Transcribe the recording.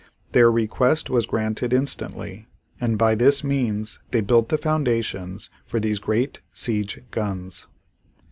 Their request was granted instantly and by this means they built the foundations for these great siege guns.